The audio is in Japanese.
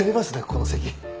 この席。